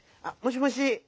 あもしもし。